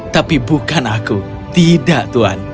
tapi bukan aku tidak tuhan